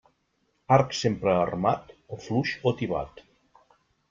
Arc sempre armat, o fluix o tibat.